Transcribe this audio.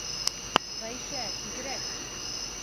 — Ғәйшә, тиҙерәк!